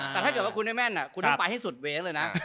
แต่ถ้าเกิดว่าคุณได้แม่นคุณต้องไปให้สุดเว้นเลยนะ